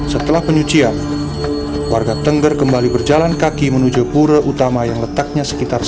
setelah penyucian warga tengger kembali berjalan kaki menuju pura utama yang letaknya sekitar